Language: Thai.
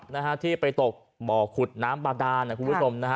นะฮะที่ไปตกบ่อขุดน้ำบาดานนะคุณผู้ชมนะฮะ